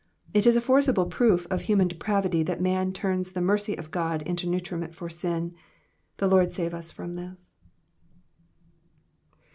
It is a forcible proof of human depravity that man turns the mercy of God into nutriment for sin : the Lord save us from this.